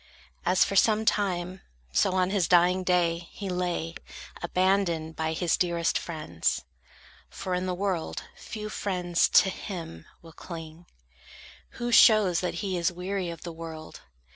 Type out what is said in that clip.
As for some time, so, on his dying day, He lay, abandoned by his dearest friends: For in the world, few friends to him will cling, Who shows that he is weary of the world.